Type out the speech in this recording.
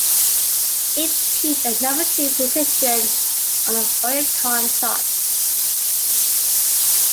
It peaked at the number-two position on the Oricon chart.